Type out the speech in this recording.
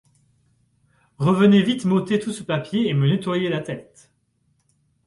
Revenez vite m'ôter tout ce papier et me nettoyer la tête.